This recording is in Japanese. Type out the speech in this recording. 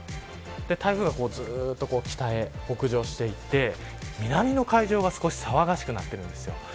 台風がずっと北へ北上していて南の海上が少し騒がしくなっているんですよ。